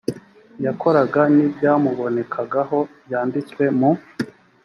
yakoraga n ibyamubonekagaho byanditswe mu